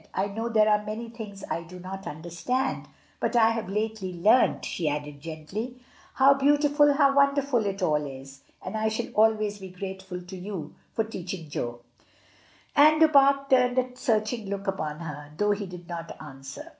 "I know there are many things I do not understand; but I have lately learnt," she added, gently, "how beautiful, how wonderful it all is; and I shall always be grateful to you for teaching Jo." And Du Pare turned a searching look upon her, though he did not answer.